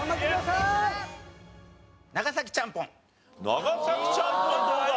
長崎ちゃんぽんどうだ？